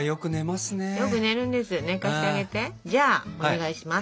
じゃあお願いします。